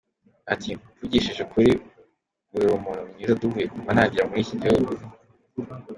Ati “Mvugishije ukuri uri umuntu mwiza duhuye kuva nagera muri iki gihugu.